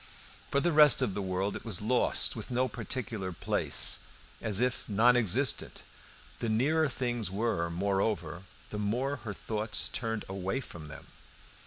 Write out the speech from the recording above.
For the rest of the world it was lost, with no particular place and as if non existent. The nearer things were, moreover, the more her thoughts turned away from them.